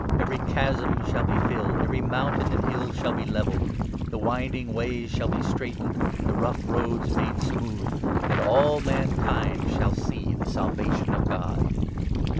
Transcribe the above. Every chasm shall be filled, 5 Every mountain and hill shall be levelled, The winding ways shall be straightened, The rough roads made smooth, And all mankind shall see the Salvation of God."